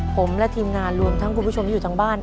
ผมและทีมงานรวมทั้งคุณผู้ชมที่อยู่ทางบ้าน